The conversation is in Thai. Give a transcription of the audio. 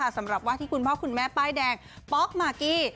สำหรับว่าที่คุณพ่อคุณแม่ป้ายแดงป๊อกมากกี้